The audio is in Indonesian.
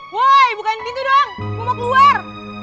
woi bukain pintu dong gue mau keluar